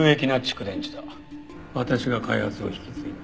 私が開発を引き継いだ。